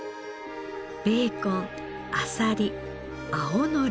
ベーコンアサリ青のり。